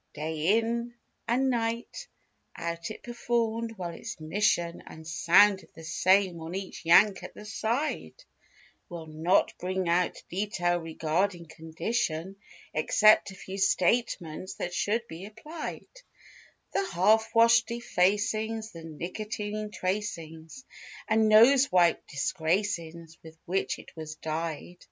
Day in and night out it performed well its mission And sounded the same on each yank at the side; We'll not bring out detail regarding condition Except a few statements that should be applied; The half washed defacings; the nicotine tracings. And nose wiped disgracings with which it was dyed.